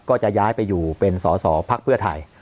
ก็จะย้ายไปอยู่เป็นสอสอพักเพื่อไทย